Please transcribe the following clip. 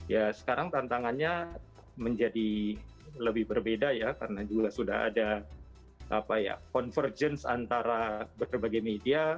ya sekarang tantangannya menjadi lebih berbeda ya karena juga sudah ada convergence antara berbagai media